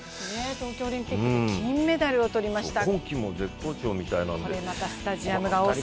東京オリンピックで金メダルを取りました。